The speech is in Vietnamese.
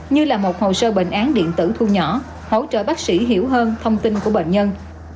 như là một hồ sơ bệnh án điện tử thu nhỏ hỗ trợ bác sĩ hiểu hơn thông tin của bệnh nhân